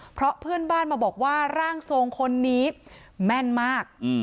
เพราะเพื่อนบ้านมาบอกว่าร่างทรงคนนี้แม่นมาก